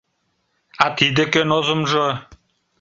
— А тиде кӧн озымжо?